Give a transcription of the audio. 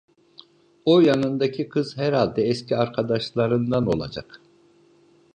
O yanındaki kız herhalde eski arkadaşlarından olacak…